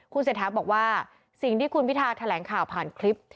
เศรษฐาบอกว่าสิ่งที่คุณพิทาแถลงข่าวผ่านคลิป